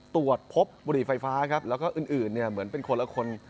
ตรวจพบบุหรี่ไฟฟ้าครับแล้วก็อื่นเนี่ยเหมือนเป็นคนละคน